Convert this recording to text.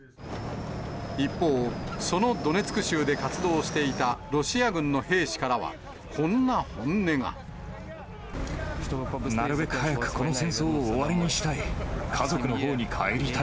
一方、そのドネツク州で活動していたロシア軍の兵士からは、こんな本音が。なるべく早くこの戦争を終わりにしたい。